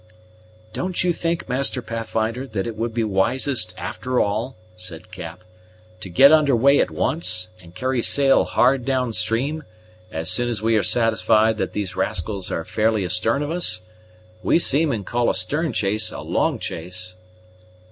"Don't you think, Master Pathfinder, that it would be wisest, after all," said Cap, "to get under way at once, and carry sail hard down stream, as soon as we are satisfied that these rascals are fairly astern of us? We seamen call a stern chase a long chase."